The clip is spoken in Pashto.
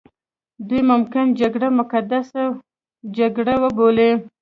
دوی ممکن جګړه مقدسه جګړه وبولي.